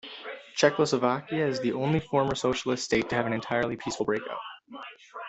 Czechoslovakia is the only former socialist state to have an entirely peaceful breakup.